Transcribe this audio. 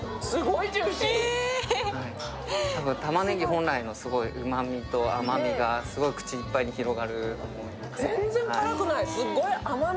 本来のうまみと甘みがすごい口いっぱいに広がる。